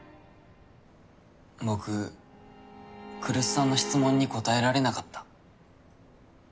僕来栖さんの質問に答えられなかった。